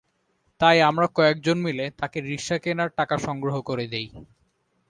তাই আমরা কয়েকজন মিলে তাঁকে রিকশা কেনার টাকা সংগ্রহ করে দিই।